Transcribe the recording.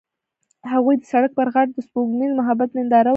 هغوی د سړک پر غاړه د سپوږمیز محبت ننداره وکړه.